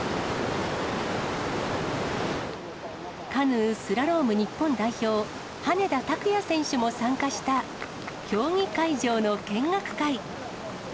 カヌー・スラローム日本代表、羽根田卓也選手も参加した、競技会場の見学会。